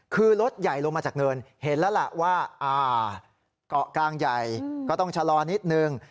คือรถใหญ่ลงมาจากเนินเห็นแล้วล่ะว่าเกาะกลางใหญ่ก็ต้องชะลอนิดนึง